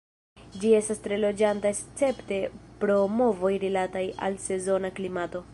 Ĝi estas tre loĝanta escepte pro movoj rilataj al sezona klimato.